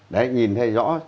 đấy nhìn thấy rõ